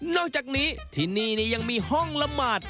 อกจากนี้ที่นี่ยังมีห้องละหมาด